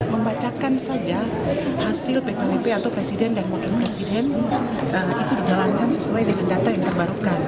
membacakan saja hasil ppwp atau presiden dan wakil presiden itu dijalankan sesuai dengan data yang terbarukan